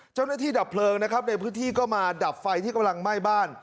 ดับเพลิงนะครับในพื้นที่ก็มาดับไฟที่กำลังไหม้บ้าน